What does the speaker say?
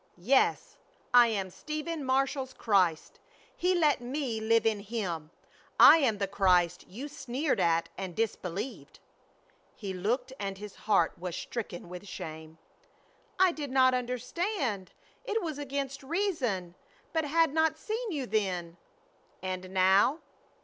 "Yes, I am Stephen Marshall's Christ. He let me live in Him. I am the Christ you sneered at and disbelieved!" He looked and his heart was stricken with shame. "I did not understand. It was against reason. But had not seen you then." "And now?"